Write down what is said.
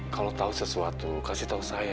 kalo tau sesuatu kasih tau saya